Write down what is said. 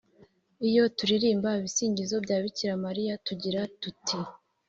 iyo turirimba ibisingizo bya bikira mariya tugira tuti: